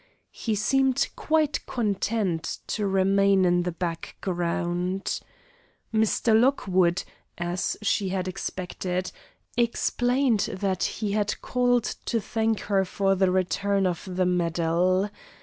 He seemed quite content to remain in the background. Mr. Lockwood, as she had expected, explained that he had called to thank her for the return of the medal.